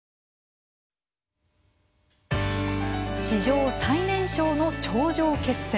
史上最年少の頂上決戦。